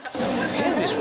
変でしょ